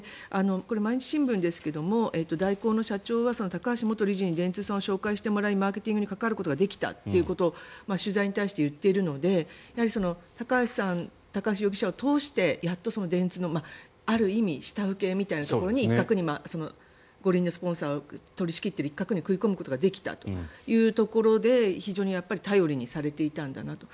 これ、毎日新聞ですが大広の社長は高橋元理事に電通を紹介してもらいマーケティングに関わることができたということを取材に対して言っているのでやはり高橋容疑者を通してやっと電通の、ある意味下請けみたいなところの一角に五輪のスポンサーを取り仕切っている一角に食い込むことができたというところで非常に頼りにされていたんだなと。